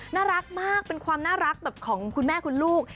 น่ารักมากเป็นความน่ารักแบบของคุณแม่คุณลูก